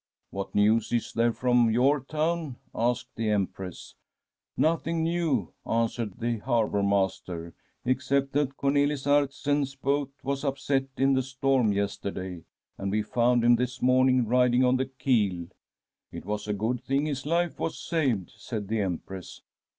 * What news is there from your town ?' asked the Empress. * Noth The Empress's MONEY CHEST ing new/ answered the harbour master, ' except that Comelis Aertsen's boat was upset in the storm yesterday ; and we found him this morn ing riding on the keel.' ' It was a good thing his life was saved/ said the Empress.